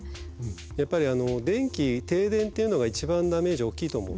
やっぱり電気停電っていうのが一番ダメージ大きいと思うんですよね。